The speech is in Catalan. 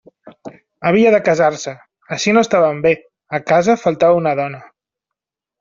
Havia de casar-se; així no estaven bé: a casa faltava una dona.